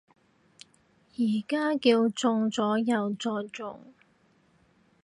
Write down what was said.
而家叫中咗右再中